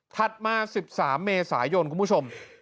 มา๑๓เมษายนคุณผู้ชม